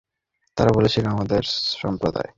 তারা বলেছিল, হে আমাদের সম্প্রদায়!